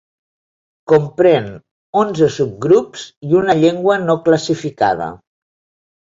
Comprèn onze subgrups i una llengua no classificada.